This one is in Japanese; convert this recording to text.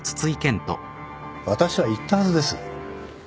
私は言ったはずです。